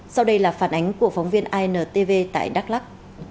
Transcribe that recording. sau đây là phản ánh của phóng viên intv tại đắk lắc